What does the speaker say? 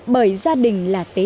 bởi gia đình là tế bản